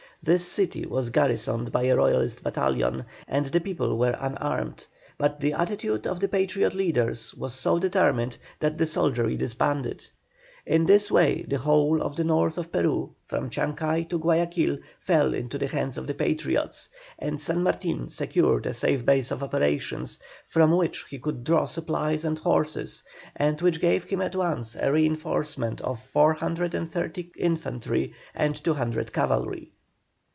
This city was garrisoned by a Royalist battalion, and the people were unarmed; but the attitude of the Patriot leaders was so determined that the soldiery disbanded. In this way the whole of the North of Peru, from Chancay to Guayaquil, fell into the hands of the Patriots, and San Martin secured a safe base of operations, from which he could draw supplies and horses, and which gave him at once a reinforcement of 430 infantry and 200 cavalry.